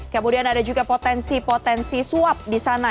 kemudian ada juga potensi potensi suap di sana